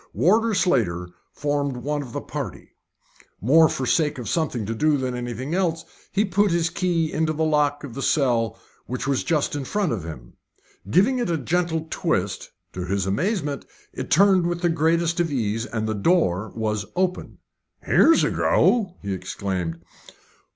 Warder Slater formed one of the party. More for the sake of something to do than anything else, he put his key into the lock of the cell which was just in front of him. Giving it a gentle twist, to his amazement it turned with the greatest ease, and the door was open. "Here's a go!" he exclaimed.